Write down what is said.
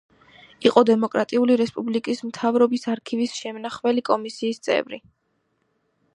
იყო დემოკრატიული რესპუბლიკის მთავრობის არქივის შემნახველი კომისიის წევრი.